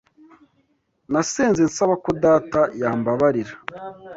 Nasenze nsaba ko data yambabarira.